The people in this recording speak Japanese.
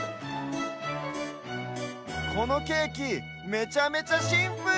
このケーキめちゃめちゃシンプル！